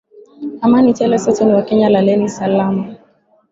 Amani tele sote ni wakenya, laleni salama